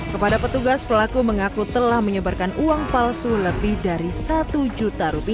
kepada petugas pelaku mengaku telah menyebarkan uang palsu lebih dari rp satu